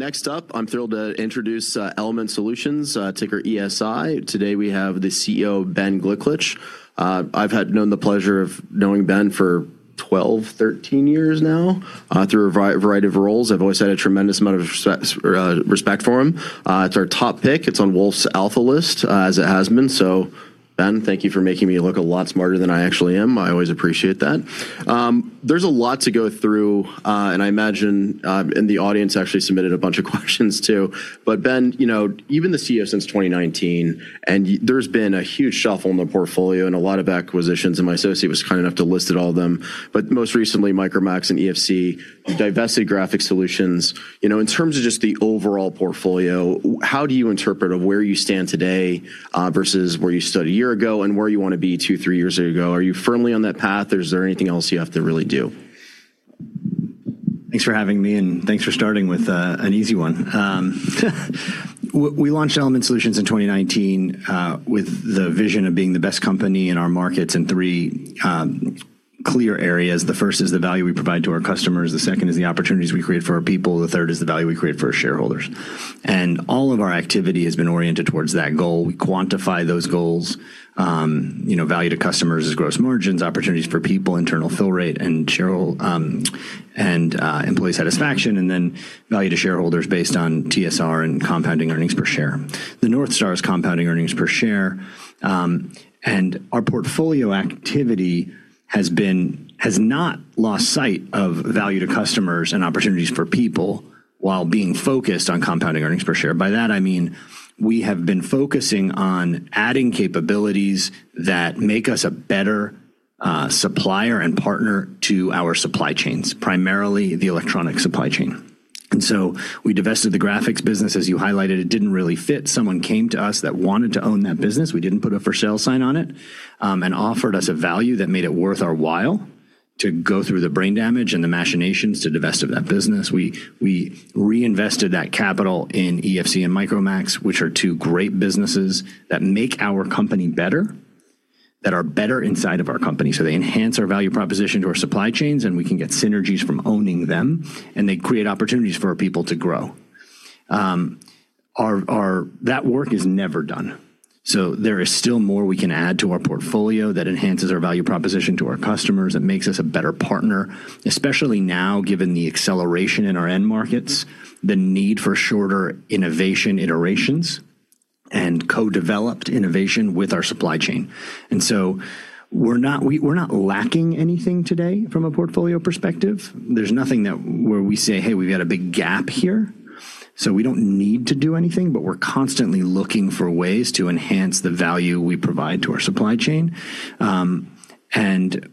Next up, I'm thrilled to introduce Element Solutions, ticker ESI. Today, we have the CEO, Ben Gliklich. I've had the pleasure of knowing Ben for 12, 13 years now, through a variety of roles. I've always had a tremendous amount of respect for him. It's our top pick. It's on Wolfe's Alpha list, as it has been. Ben, thank you for making me look a lot smarter than I actually am. I always appreciate that. There's a lot to go through, and I imagine, and the audience actually submitted a bunch of questions too. Ben, you've been the CEO since 2019, and there's been a huge shuffle in the portfolio and a lot of acquisitions, and my associate was kind enough to list all of them. Most recently, Micromax and EFC divested Graphics Solutions. In terms of just the overall portfolio, how do you interpret of where you stand today, versus where you stood a year ago and where you want to be two, three years ago? Are you firmly on that path, or is there anything else you have to really do? Thanks for having me, thanks for starting with an easy one. We launched Element Solutions in 2019, with the vision of being the best company in our markets in three clear areas. The first is the value we provide to our customers, the second is the opportunities we create for our people, the third is the value we create for our shareholders. All of our activity has been oriented towards that goal. We quantify those goals. Value to customers is gross margins, opportunities for people, internal fill rate, and employee satisfaction, then value to shareholders based on TSR and compounding earnings per share. The North Star is compounding earnings per share. Our portfolio activity has not lost sight of value to customers and opportunities for people while being focused on compounding earnings per share. By that, I mean we have been focusing on adding capabilities that make us a better supplier and partner to our supply chains, primarily the electronic supply chain. We divested the graphics business, as you highlighted. It didn't really fit. Someone came to us that wanted to own that business, we didn't put a for sale sign on it, offered us a value that made it worth our while to go through the brain damage and the machinations to divest of that business. We reinvested that capital in EFC and Micromax, which are two great businesses that make our company better, that are better inside of our company. They enhance our value proposition to our supply chains, we can get synergies from owning them, they create opportunities for our people to grow. That work is never done, there is still more we can add to our portfolio that enhances our value proposition to our customers, that makes us a better partner, especially now, given the acceleration in our end markets, the need for shorter innovation iterations and co-developed innovation with our supply chain. We're not lacking anything today from a portfolio perspective. There's nothing where we say, "Hey, we've got a big gap here," so we don't need to do anything, but we're constantly looking for ways to enhance the value we provide to our supply chain.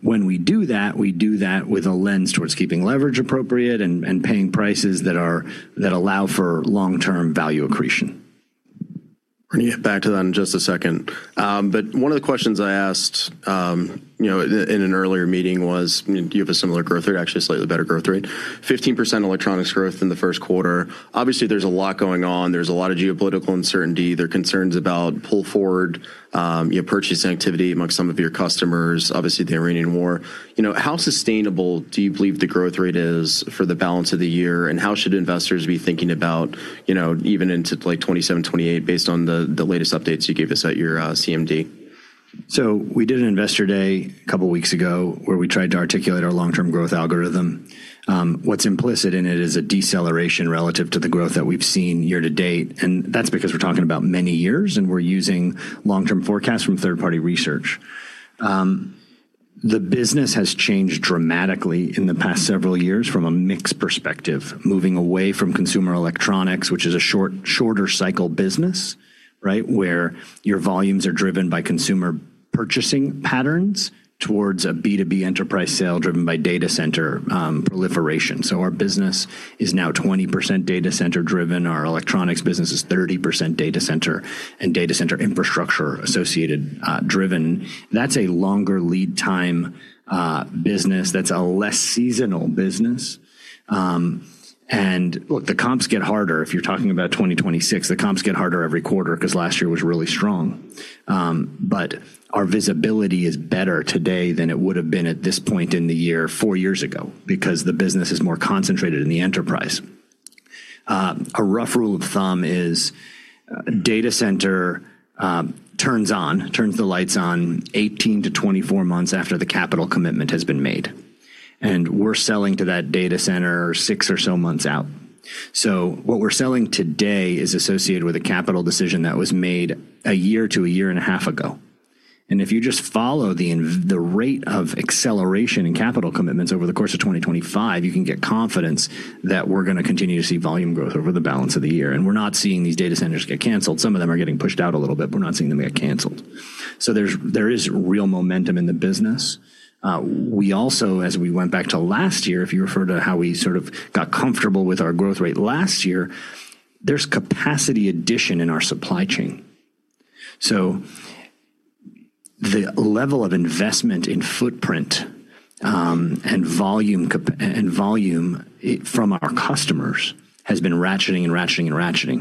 When we do that, we do that with a lens towards keeping leverage appropriate and paying prices that allow for long-term value accretion. We're going to get back to that in just a second. One of the questions I asked in an earlier meeting was, do you have a similar growth rate or actually a slightly better growth rate? 15% electronics growth in the first quarter. Obviously, there's a lot going on. There's a lot of geopolitical uncertainty. There are concerns about pull forward, purchasing activity amongst some of your customers, obviously the Iranian war. How sustainable do you believe the growth rate is for the balance of the year, and how should investors be thinking about even into 2027, 2028, based on the latest updates you gave us at your CMD? We did an investor day a couple of weeks ago where we tried to articulate our long-term growth algorithm. What's implicit in it is a deceleration relative to the growth that we've seen year-to-date, and that's because we're talking about many years, and we're using long-term forecasts from third-party research. The business has changed dramatically in the past several years from a mix perspective, moving away from consumer electronics, which is a shorter cycle business, where your volumes are driven by consumer purchasing patterns, towards a B2B enterprise sale driven by data center proliferation. Our business is now 20% data center driven. Our electronics business is 30% data center and data center infrastructure associated driven. That's a longer lead time business. That's a less seasonal business. Look, the comps get harder if you're talking about 2026. The comps get harder every quarter because last year was really strong. Our visibility is better today than it would have been at this point in the year four years ago because the business is more concentrated in the enterprise. A rough rule of thumb is data center turns the lights on 18-24 months after the capital commitment has been made, and we're selling to that data center six or so months out. What we're selling today is associated with a capital decision that was made a year to a year and a half ago. If you just follow the rate of acceleration in capital commitments over the course of 2025, you can get confidence that we're going to continue to see volume growth over the balance of the year. We're not seeing these data centers get canceled. Some of them are getting pushed out a little bit, but we're not seeing them get canceled. There is real momentum in the business. We also, as we went back to last year, if you refer to how we sort of got comfortable with our growth rate last year, there's capacity addition in our supply chain. The level of investment in footprint and volume from our customers has been ratcheting and ratcheting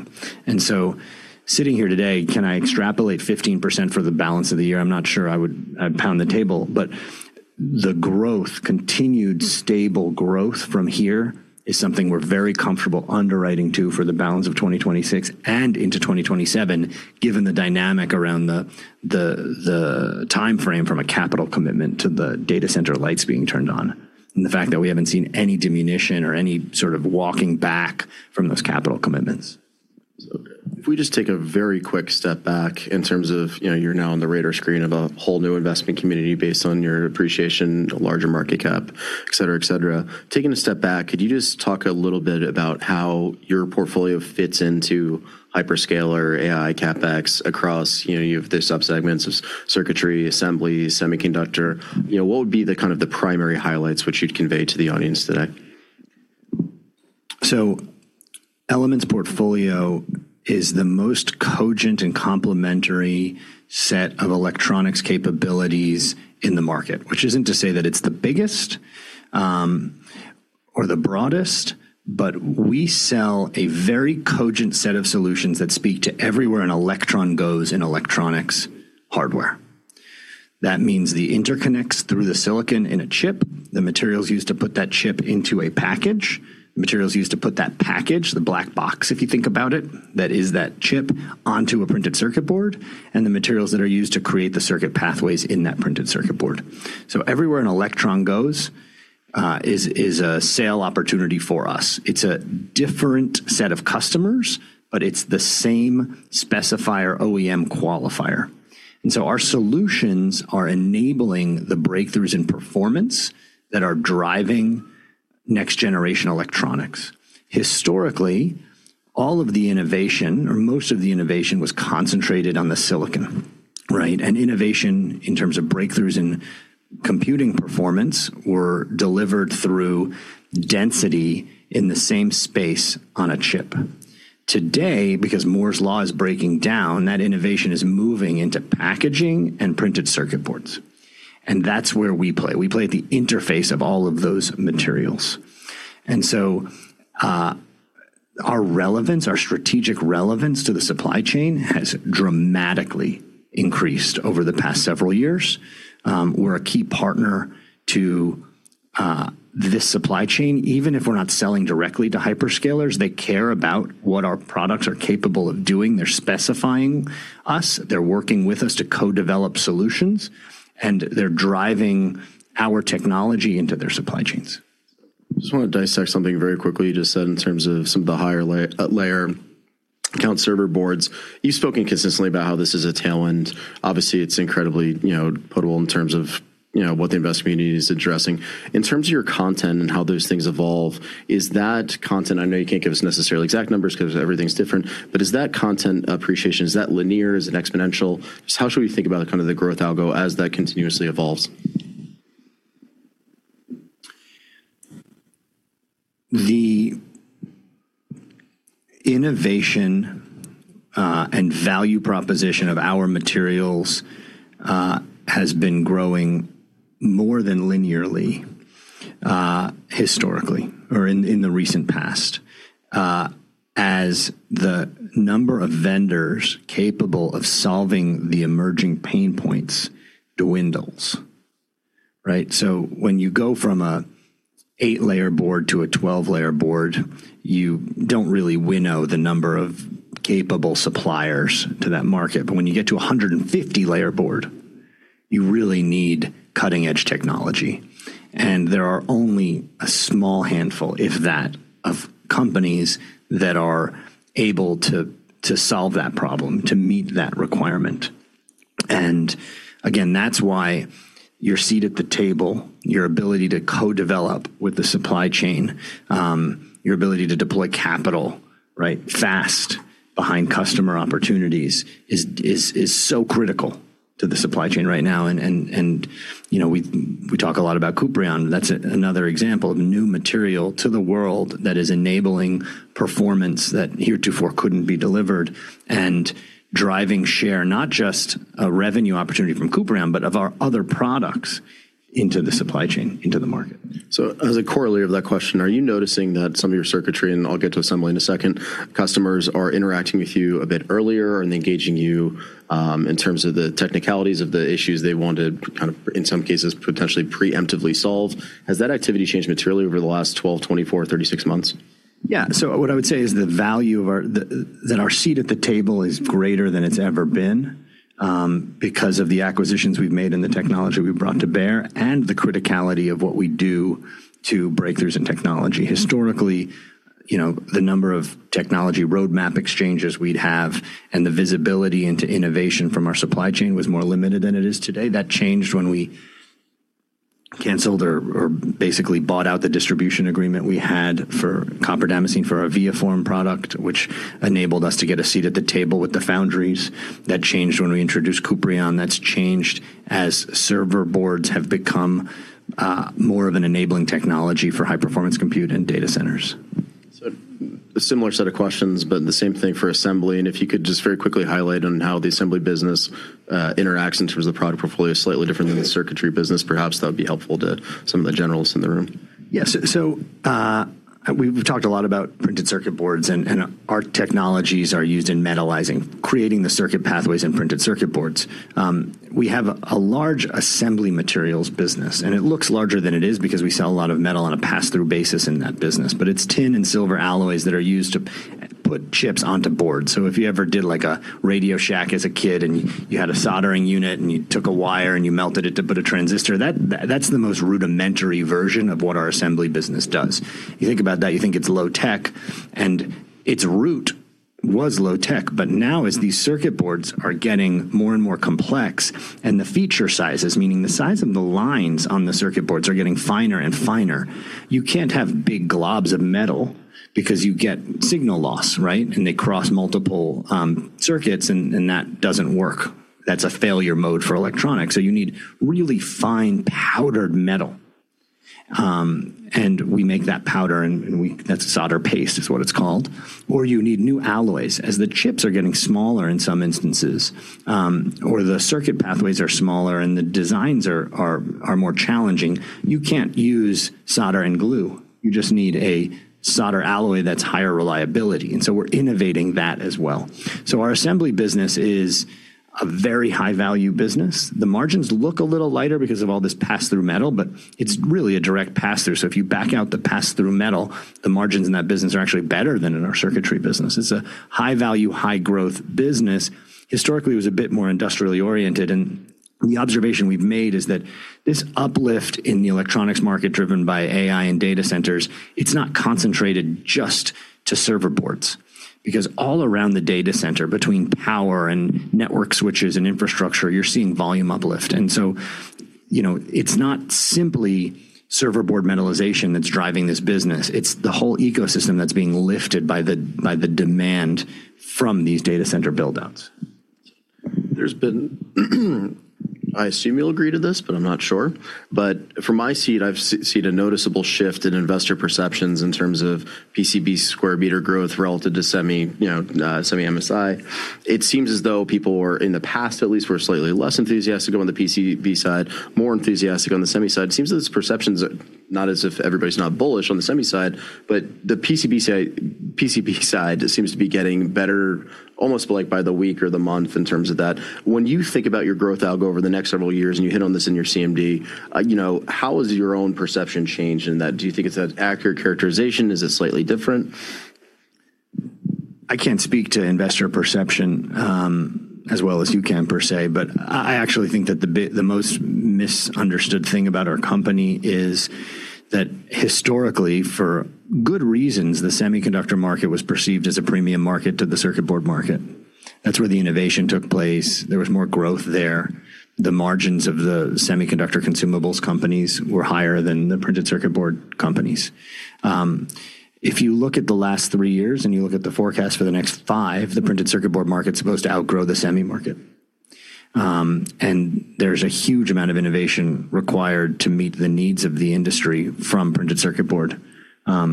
and ratcheting. Sitting here today, can I extrapolate 15% for the balance of the year? I'm not sure I would pound the table, but the growth, continued stable growth from here is something we're very comfortable underwriting to for the balance of 2026 and into 2027, given the dynamic around the timeframe from a capital commitment to the data center lights being turned on, and the fact that we haven't seen any diminution or any sort of walking back from those capital commitments. Okay. If we just take a very quick step back in terms of, you're now on the radar screen of a whole new investment community based on your appreciation, a larger market cap, etc. Taking a step back, could you just talk a little bit about how your portfolio fits into hyperscaler AI CapEx across, you have the sub-segments of circuitry, assembly, semiconductor. What would be the primary highlights which you'd convey to the audience today? Element's portfolio is the most cogent and complementary set of electronics capabilities in the market, which isn't to say that it's the biggest, or the broadest, but we sell a very cogent set of solutions that speak to everywhere an electron goes in electronics hardware. That means the interconnects through the silicon in a chip, the materials used to put that chip into a package, the materials used to put that package, the black box, if you think about it, that is that chip onto a printed circuit board, and the materials that are used to create the circuit pathways in that printed circuit board. Everywhere an electron goes, is a sale opportunity for us. It's a different set of customers, but it's the same specifier OEM qualifier. Our solutions are enabling the breakthroughs in performance that are driving next-generation electronics. Historically, all of the innovation, or most of the innovation was concentrated on the silicon. Right? Innovation in terms of breakthroughs in computing performance were delivered through density in the same space on a chip. Today, because Moore's law is breaking down, that innovation is moving into packaging and printed circuit boards. That's where we play. We play at the interface of all of those materials. So, our strategic relevance to the supply chain has dramatically increased over the past several years. We're a key partner to this supply chain. Even if we're not selling directly to hyperscalers, they care about what our products are capable of doing. They're specifying us, they're working with us to co-develop solutions, and they're driving our technology into their supply chains. Just want to dissect something very quickly you just said in terms of some of the higher layer-count server boards. You've spoken consistently about how this is a tailwind. Obviously, it's incredibly puttable in terms of what the investment community is addressing. In terms of your content and how those things evolve, is that content, I know you can't give us necessarily exact numbers because everything's different, but is that content appreciation, is that linear? Is it exponential? Just how should we think about the growth algo as that continuously evolves? The innovation, and value proposition of our materials has been growing more than linearly, historically or in the recent past, as the number of vendors capable of solving the emerging pain points dwindles. Right? When you go from an eight layer board to a 12-layer board, you don't really winnow the number of capable suppliers to that market. But when you get to 150-layer board, you really need cutting-edge technology. There are only a small handful, if that, of companies that are able to solve that problem, to meet that requirement. Again, that's why your seat at the table, your ability to co-develop with the supply chain, your ability to deploy capital, right, fast behind customer opportunities is so critical to the supply chain right now. We talk a lot about Kuprion. That's another example of new material to the world that is enabling performance that heretofore couldn't be delivered and driving share, not just a revenue opportunity from Kuprion, but of our other products into the supply chain, into the market. As a corollary of that question, are you noticing that some of your circuitry, and I'll get to assembly in a second, customers are interacting with you a bit earlier and engaging you, in terms of the technicalities of the issues they want to in some cases potentially preemptively solve. Has that activity changed materially over the last 12, 24, 36 months? What I would say is the value of our seat at the table is greater than it's ever been, because of the acquisitions we've made and the technology we've brought to bear, and the criticality of what we do to breakthroughs in technology. Historically, the number of technology roadmap exchanges we'd have and the visibility into innovation from our supply chain was more limited than it is today. That changed when we canceled or basically bought out the distribution agreement we had for copper damascene for our ViaForm product, which enabled us to get a seat at the table with the foundries. That changed when we introduced Kuprion. That's changed as server boards have become more of an enabling technology for high-performance compute and data centers. A similar set of questions, but the same thing for assembly, and if you could just very quickly highlight on how the assembly business interacts in terms of the product portfolio slightly differently than the circuitry business, perhaps that would be helpful to some of the generals in the room. We've talked a lot about printed circuit boards, and our technologies are used in metalizing, creating the circuit pathways in printed circuit boards. We have a large assembly materials business, and it looks larger than it is because we sell a lot of metal on a pass-through basis in that business. It's tin and silver alloys that are used to put chips onto boards. If you ever did a RadioShack as a kid, and you had a soldering unit, and you took a wire and you melted it to put a transistor, that's the most rudimentary version of what our assembly business does. You think about that, you think it's low tech, and its root was low tech. Now as these circuit boards are getting more and more complex and the feature sizes, meaning the size of the lines on the circuit boards, are getting finer and finer, you can't have big globs of metal because you get signal loss, right? They cross multiple circuits and that doesn't work. That's a failure mode for electronics. You need really fine powdered metal. We make that powder, and that's solder paste is what it's called. You need new alloys. As the chips are getting smaller in some instances, or the circuit pathways are smaller and the designs are more challenging, you can't use solder and glue. You just need a solder alloy that's higher reliability. We're innovating that as well. Our assembly business is a very high-value business. The margins look a little lighter because of all this pass-through metal, it's really a direct pass-through. If you back out the pass-through metal, the margins in that business are actually better than in our circuitry business. It's a high-value, high-growth business. Historically, it was a bit more industrially oriented. The observation we've made is that this uplift in the electronics market driven by AI and data centers, it's not concentrated just to server boards. All around the data center, between power and network switches and infrastructure, you're seeing volume uplift. It's not simply server board metalization that's driving this business. It's the whole ecosystem that's being lifted by the demand from these data center build-outs. There's been, I assume you'll agree to this, I'm not sure, but from my seat, I've seen a noticeable shift in investor perceptions in terms of PCB square meter growth relative to semi MSI. It seems as though people were, in the past at least, were slightly less enthusiastic on the PCB side, more enthusiastic on the semi side. It seems that this perception's not as if everybody's not bullish on the semi side, the PCB side seems to be getting better almost by the week or the month in terms of that. When you think about your growth algo over the next several years, you hit on this in your CMD, how has your own perception changed in that? Do you think it's an accurate characterization? Is it slightly different? I can't speak to investor perception, as well as you can, per se, I actually think that the most misunderstood thing about our company is that historically, for good reasons, the semiconductor market was perceived as a premium market to the circuit board market. That's where the innovation took place. There was more growth there. The margins of the semiconductor consumables companies were higher than the printed circuit board companies. If you look at the last three years and you look at the forecast for the next five, the printed circuit board market's supposed to outgrow the semi market. There's a huge amount of innovation required to meet the needs of the industry from printed circuit board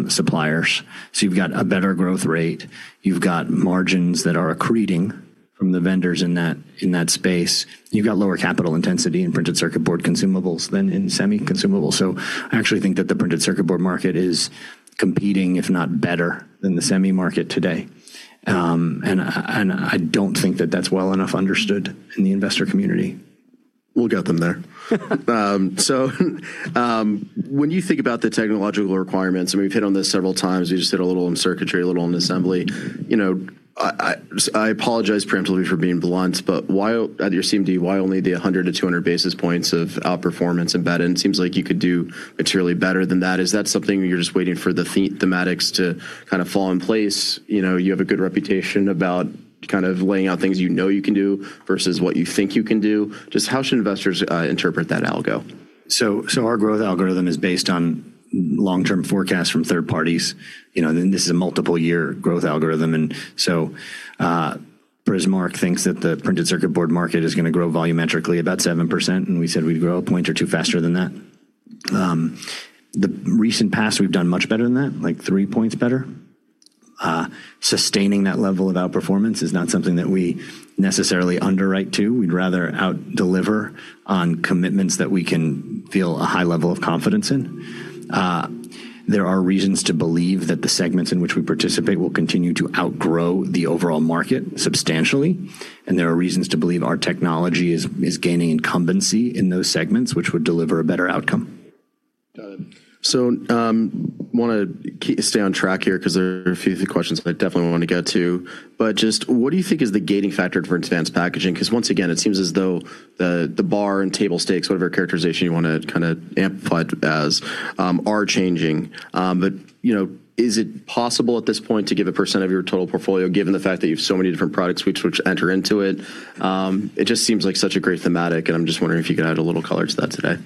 suppliers. You've got a better growth rate, you've got margins that are accreting from the vendors in that space. You've got lower capital intensity in printed circuit board consumables than in semi consumables. I actually think that the printed circuit board market is competing, if not better than the semi market today. I don't think that that's well enough understood in the investor community. We'll get them there. When you think about the technological requirements, we've hit on this several times, we just hit a little on circuitry, a little on assembly. I apologize preemptively for being blunt, at your CMD, why only the 100 basis points-200 basis points of outperformance embedded? It seems like you could do materially better than that. Is that something where you're just waiting for the thematics to kind of fall in place? You have a good reputation about kind of laying out things you know you can do versus what you think you can do. Just how should investors interpret that algo? Our growth algorithm is based on long-term forecasts from third parties. This is a multiple year growth algorithm. Prismark thinks that the printed circuit board market is going to grow volumetrically about 7%, and we said we'd grow a point or two faster than that. The recent past, we've done much better than that, like three points better. Sustaining that level of outperformance is not something that we necessarily underwrite to. We'd rather out-deliver on commitments that we can feel a high level of confidence in. There are reasons to believe that the segments in which we participate will continue to outgrow the overall market substantially, there are reasons to believe our technology is gaining incumbency in those segments, which would deliver a better outcome. Got it. Want to stay on track here because there are a few questions that I definitely want to get to. Just what do you think is the gating factor for advanced packaging? Once again, it seems as though the bar and table stakes, whatever characterization you want to kind of amplify it as, are changing. Is it possible at this point to give a percentage of your total portfolio given the fact that you have so many different product suites which enter into it? It just seems like such a great thematic, I'm just wondering if you could add a little color to that today.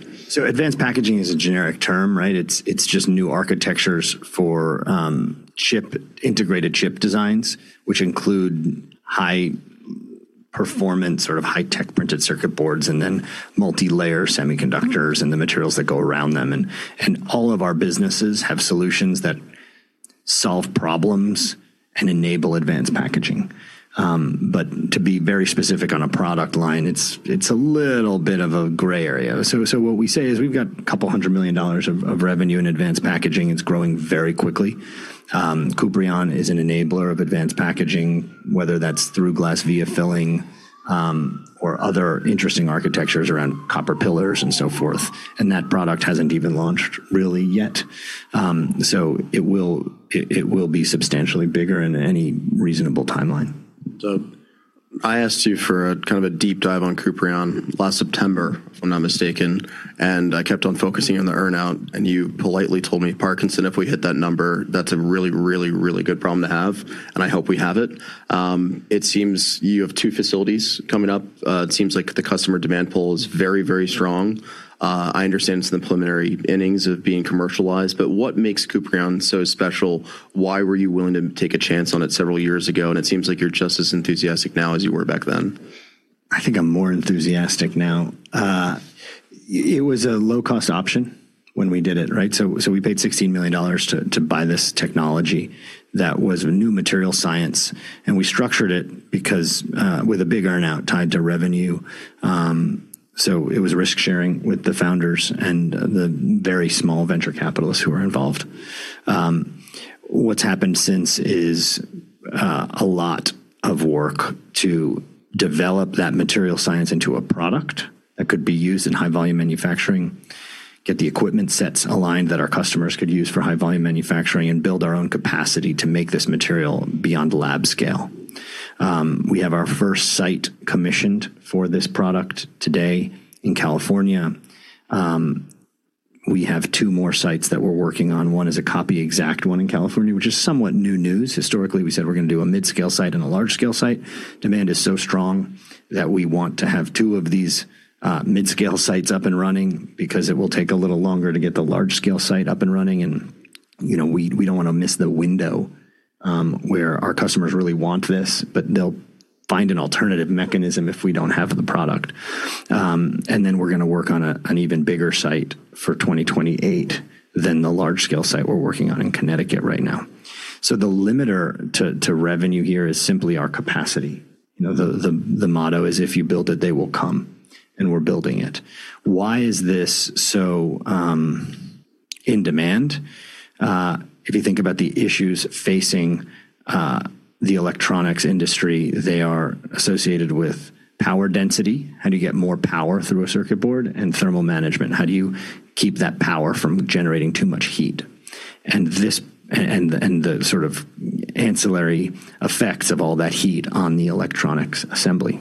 Advanced packaging is a generic term, right? It's just new architectures for integrated chip designs, which include high performance, sort of high tech printed circuit boards, and then multilayer semiconductors and the materials that go around them. All of our businesses have solutions that solve problems and enable advanced packaging. To be very specific on a product line, it's a little bit of a gray area. What we say is we've got $200 million of revenue in advanced packaging. It's growing very quickly. Kuprion is an enabler of advanced packaging, whether that's through-glass via filling or other interesting architectures around copper pillars and so forth, and that product hasn't even launched really yet. It will be substantially bigger in any reasonable timeline. I asked you for a kind of a deep dive on Kuprion last September, if I'm not mistaken, and I kept on focusing on the earn-out, and you politely told me, "Parkinson, if we hit that number, that's a really, really, really good problem to have, and I hope we have it." It seems you have two facilities coming up. It seems like the customer demand pool is very, very strong. I understand it's in the preliminary innings of being commercialized, but what makes Kuprion so special? Why were you willing to take a chance on it several years ago? It seems like you're just as enthusiastic now as you were back then. I think I'm more enthusiastic now. It was a low-cost option when we did it, right? We paid $16 million to buy this technology that was a new material science, and we structured it with a big earn-out tied to revenue. It was risk-sharing with the founders and the very small venture capitalists who were involved. What's happened since is a lot of work to develop that material science into a product that could be used in high-volume manufacturing, get the equipment sets aligned that our customers could use for high-volume manufacturing, and build our own capacity to make this material beyond lab scale. We have our first site commissioned for this product today in California. We have two more sites that we're working on. One is a copy-exact one in California, which is somewhat new news. Historically, we said we're going to do a mid-scale site and a large-scale site. Demand is so strong that we want to have two of these mid-scale sites up and running because it will take a little longer to get the large-scale site up and running, and we don't want to miss the window where our customers really want this, but they'll find an alternative mechanism if we don't have the product. Then we're going to work on an even bigger site for 2028 than the large-scale site we're working on in Connecticut right now. The limiter to revenue here is simply our capacity. The motto is, if you build it, they will come, and we're building it. Why is this so in demand? If you think about the issues facing the electronics industry, they are associated with power density, how do you get more power through a circuit board, and thermal management, how do you keep that power from generating too much heat, and the sort of ancillary effects of all that heat on the electronics assembly.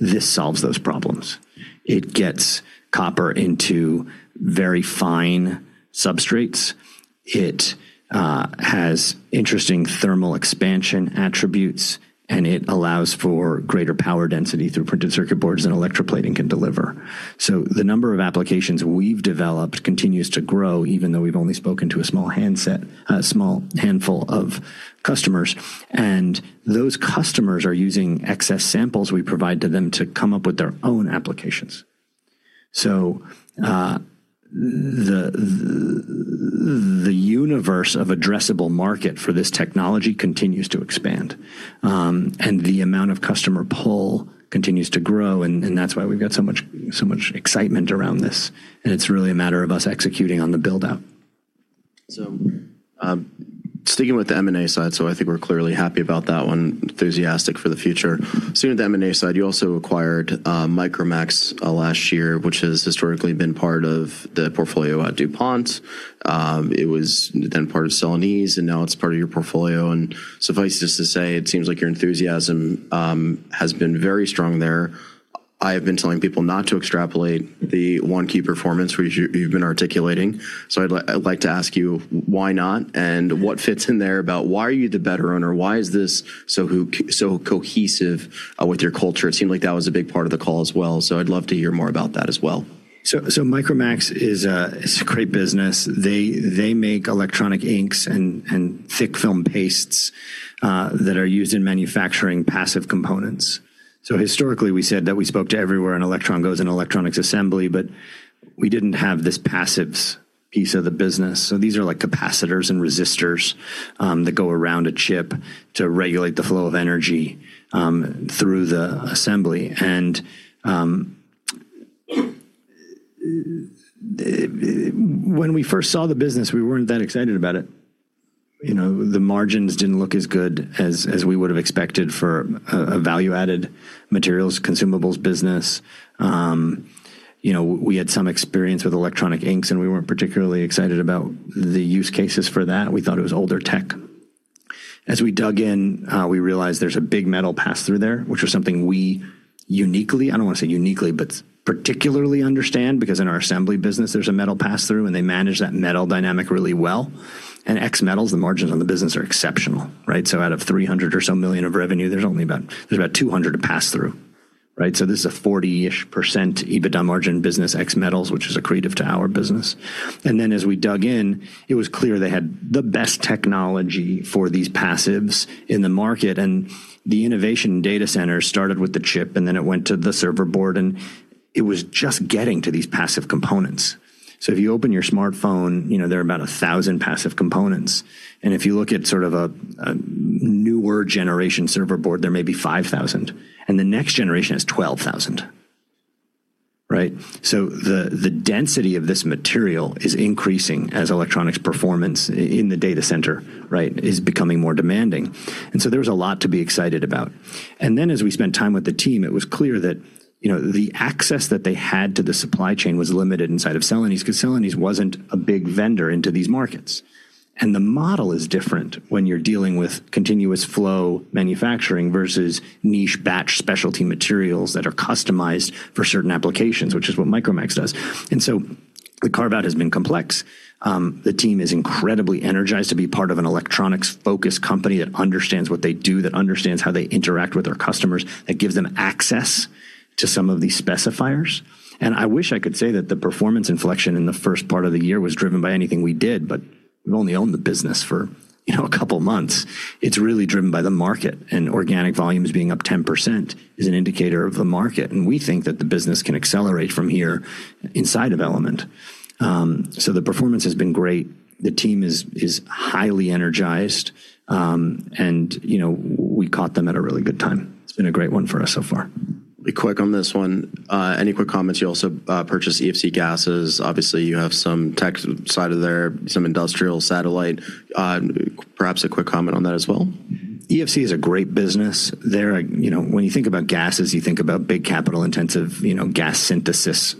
This solves those problems. It gets copper into very fine substrates. It has interesting thermal expansion attributes, and it allows for greater power density through printed circuit boards than electroplating can deliver. The number of applications we've developed continues to grow, even though we've only spoken to a small handful of customers, and those customers are using excess samples we provide to them to come up with their own applications. The universe of addressable market for this technology continues to expand. The amount of customer pull continues to grow, and that's why we've got so much excitement around this, and it's really a matter of us executing on the build-out. Sticking with the M&A side, I think we're clearly happy about that one, enthusiastic for the future. Sticking with the M&A side, you also acquired Micromax last year, which has historically been part of the portfolio at DuPont. It was then part of Celanese, and now it's part of your portfolio, and suffice just to say, it seems like your enthusiasm has been very strong there. I have been telling people not to extrapolate the one key performance which you've been articulating. I'd like to ask you why not and what fits in there about why are you the better owner? Why is this so cohesive with your culture? It seemed like that was a big part of the call as well, I'd love to hear more about that as well. Micromax is a great business. They make electronic inks and thick film pastes that are used in manufacturing passive components. Historically, we said that we spoke to everywhere an electron goes in electronics assembly, but we didn't have this passives piece of the business. These are like capacitors and resistors that go around a chip to regulate the flow of energy through the assembly. When we first saw the business, we weren't that excited about it. The margins didn't look as good as we would've expected for a value-added materials consumables business. We had some experience with electronic inks, and we weren't particularly excited about the use cases for that. We thought it was older tech. We dug in, we realized there's a big metal pass-through there, which was something we uniquely, I don't want to say uniquely, but particularly understand because in our assembly business, there's a metal pass-through, and they manage that metal dynamic really well. Ex metals, the margins on the business are exceptional, right? Out of $300 million or so of revenue, there's about $200 million of pass-through, right? This is a 40%-ish EBITDA margin business, ex metals, which is accretive to our business. As we dug in, it was clear they had the best technology for these passives in the market. The innovation data center started with the chip. It went to the server board. It was just getting to these passive components. If you open your smartphone, there are about 1,000 passive components. If you look at sort of a newer generation server board, there may be 5,000. The next generation is 12,000. Right? The density of this material is increasing as electronics performance in the data center, right, is becoming more demanding. There was a lot to be excited about. As we spent time with the team, it was clear that the access that they had to the supply chain was limited inside of Celanese because Celanese wasn't a big vendor into these markets. The model is different when you're dealing with continuous flow manufacturing versus niche batch specialty materials that are customized for certain applications, which is what Micromax does. The carve-out has been complex. The team is incredibly energized to be part of an electronics-focused company that understands what they do, that understands how they interact with their customers, that gives them access to some of these specifiers. I wish I could say that the performance inflection in the first part of the year was driven by anything we did, but we've only owned the business for a couple months. It's really driven by the market, and organic volumes being up 10% is an indicator of the market. We think that the business can accelerate from here inside of Element. The performance has been great. The team is highly energized, and we caught them at a really good time. It's been a great one for us so far. Be quick on this one. Any quick comments? You also purchased EFC Gases. Obviously, you have some tech side of there, some industrial satellite. Perhaps a quick comment on that as well. EFC is a great business. When you think about gases, you think about big capital-intensive gas synthesis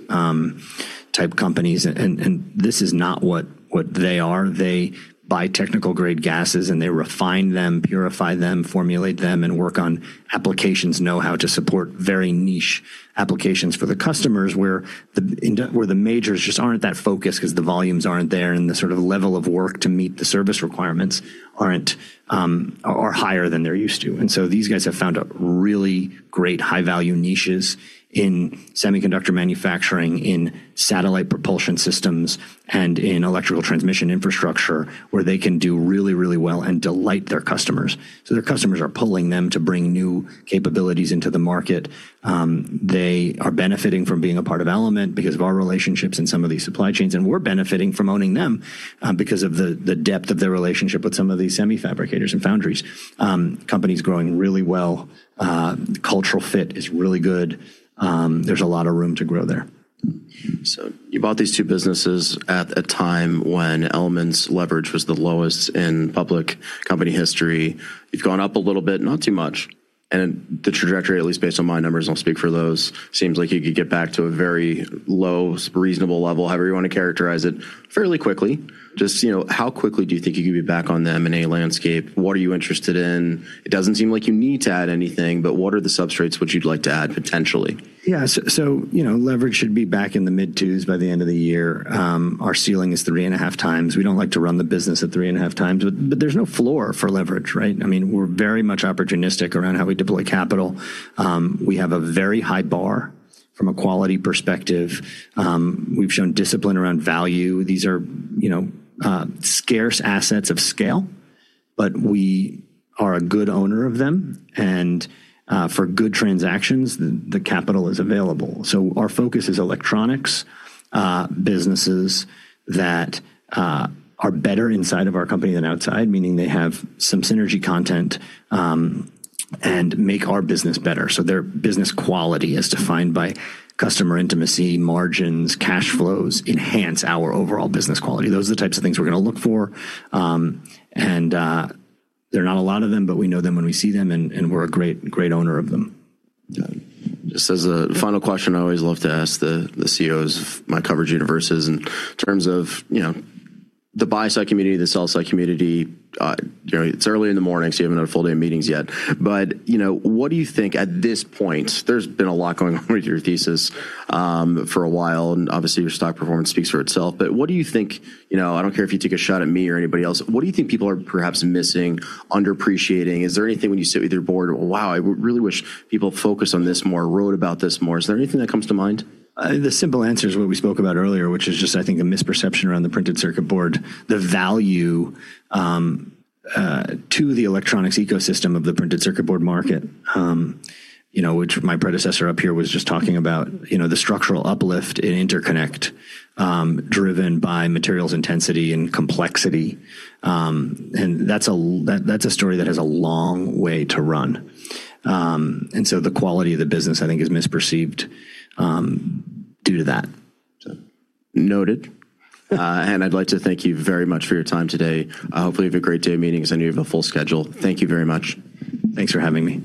type companies, this is not what they are. They buy technical grade gases, they refine them, purify them, formulate them, and work on applications know-how to support very niche applications for the customers, where the majors just aren't that focused because the volumes aren't there and the sort of level of work to meet the service requirements are higher than they're used to. These guys have found really great high-value niches in semiconductor manufacturing, in satellite propulsion systems, and in electrical transmission infrastructure where they can do really well and delight their customers. Their customers are pulling them to bring new capabilities into the market. They are benefiting from being a part of Element because of our relationships in some of these supply chains, and we're benefiting from owning them because of the depth of their relationship with some of these semi fabricators and foundries. Company is growing really well. Cultural fit is really good. There's a lot of room to grow there. You bought these two businesses at a time when Element's leverage was the lowest in public company history. You've gone up a little bit, not too much. The trajectory, at least based on my numbers, I'll speak for those, seems like you could get back to a very low, reasonable level, however you want to characterize it, fairly quickly. Just how quickly do you think you could be back on them in a landscape? What are you interested in? It doesn't seem like you need to add anything, but what are the substrates which you'd like to add potentially? Yeah. Leverage should be back in the mid twos by the end of the year. Our ceiling is three and a half times. We don't like to run the business at three and a half times, but there's no floor for leverage, right? We're very much opportunistic around how we deploy capital. We have a very high bar from a quality perspective. We've shown discipline around value. These are scarce assets of scale, but we are a good owner of them, and for good transactions, the capital is available. Our focus is electronics businesses that are better inside of our company than outside, meaning they have some synergy content and make our business better. Their business quality, as defined by customer intimacy, margins, cash flows, enhance our overall business quality. Those are the types of things we're going to look for. There are not a lot of them, but we know them when we see them, and we're a great owner of them. Just as a final question I always love to ask the CEOs of my coverage universes in terms of the buy side community, the sell side community. It's early in the morning, so you haven't had a full day of meetings yet. What do you think at this point, there's been a lot going on with your thesis for a while, and obviously your stock performance speaks for itself. What do you think, I don't care if you take a shot at me or anybody else, what do you think people are perhaps missing, underappreciating? Is there anything when you sit with your Board, "Wow, I really wish people focused on this more, wrote about this more." Is there anything that comes to mind? The simple answer is what we spoke about earlier, which is just I think a misperception around the printed circuit board, the value to the electronics ecosystem of the printed circuit board market which my predecessor up here was just talking about, the structural uplift in interconnect driven by materials intensity and complexity. That's a story that has a long way to run. The quality of the business, I think, is misperceived due to that. Noted. I'd like to thank you very much for your time today. Hopefully you have a great day of meetings. I know you have a full schedule. Thank you very much. Thanks for having me.